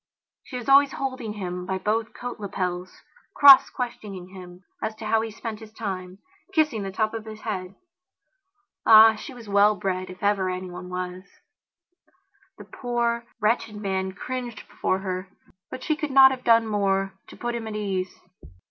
She was always holding him by both coat lapels; cross questioning him as to how he spent his time; kissing the top of his head. Ah, she was well bred, if ever anyone was. The poor, wretched man cringed before herbut she could not have done more to put him at his ease.